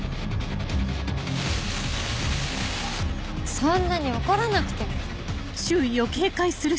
そんなに怒らなくても。